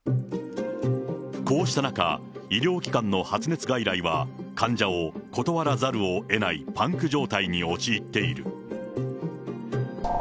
こうした中、医療機関の発熱外来は、患者を断らざるをえないパンク状態に陥っている。